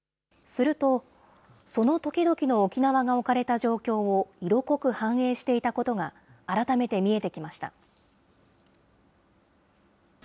すると、その時々の沖縄が置かれた状況を色濃く反映していたことが、改めて見えてきました。